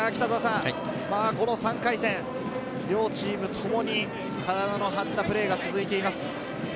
この３回戦、両チームともに体の張ったプレーが続いています。